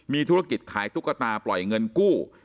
มีธุรกิจขายตุ๊กตาปล่อยเงินกู้